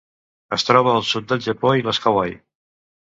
Es troba al sud del Japó i les Hawaii.